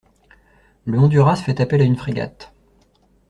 Le Honduras fait appel à une frégate.